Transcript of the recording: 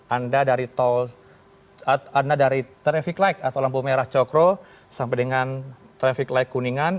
anda dari traffic light atau lampu merah cokro sampai dengan traffic light kuningan